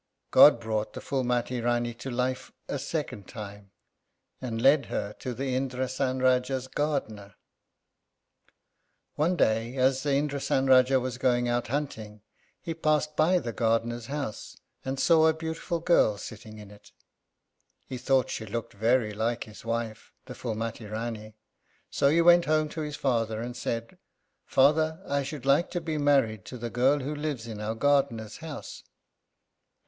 God brought the Phúlmati Rání to life a second time, and led her to the Indrásan Rájá's gardener. One day as the Indrásan Rájá was going out hunting, he passed by the gardener's house, and saw a beautiful girl sitting in it. He thought she looked very like his wife, the Phúlmati Rání. So he went home to his father and said, "Father, I should like to be married to the girl who lives in our gardener's house."